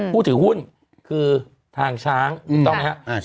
ผู้ถือหุ้นคือทางช้างถูกต้องไหมครับ